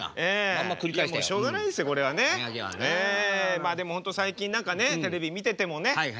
まあでも本当最近何かねテレビ見ててもねいろいろ。